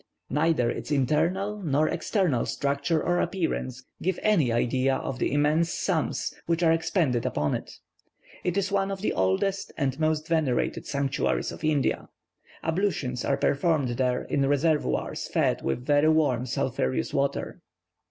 Neither its internal nor external structure or appearance give any idea of the immense sums which are expended upon it. It is one of the oldest and most venerated sanctuaries of India. Ablutions are performed there in reservoirs fed with very warm sulphureous water.